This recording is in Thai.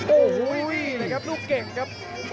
โอ้โหลูกเก่งครับ